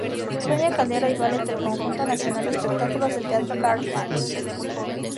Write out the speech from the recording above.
Sonia Calero y Ballet del Conjunto Nacional de Espectáculos del teatro Karl Marx.